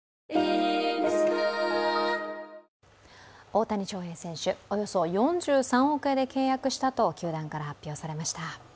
大谷翔平選手、およそ４３億円で契約したと球団から発表されました。